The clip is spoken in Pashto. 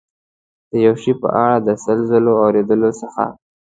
د یو شي په اړه د سل ځلو اورېدلو څخه.